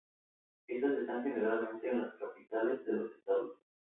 Estas están generalmente en las capitales de los estados.